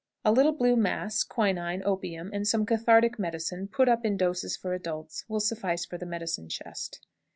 A little blue mass, quinine, opium, and some cathartic medicine, put up in doses for adults, will suffice for the medicine chest.